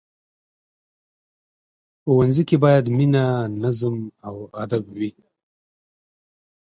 ښوونځی کې باید مینه، نظم او ادب وي